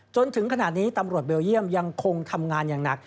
จนถึงขณะนี้ตำรวจเบลเยี่ยมยังคงทำงานอย่างหนัก